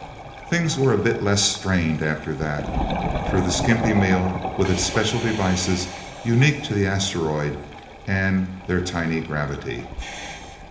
Things were a bit less strained, after that, through the skimpy meal, with its special devices, unique to the asteroids and their tiny gravity.